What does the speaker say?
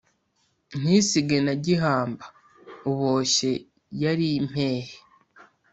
Ntisige na gihamba Uboshye yari impehe!